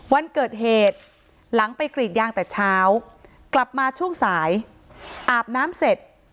วันเกิดเหตุหลังไปกรีดยางแต่เช้ากลับมาช่วงสายอาบน้ำเสร็จ